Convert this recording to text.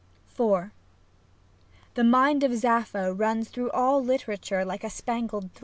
IV The mind of Sappho runs through all literature like a spangled thread.